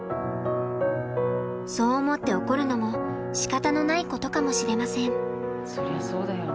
そう思って怒るのもしかたのないことかもしれません。